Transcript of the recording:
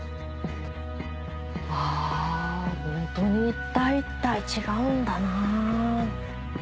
わぁホントに一体一体違うんだな。